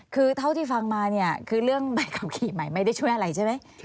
คือเท่าที่ฟังมาเนี่ยคือเรื่องใบขับขี่ใหม่ไม่ได้ช่วยอะไรใช่ไหม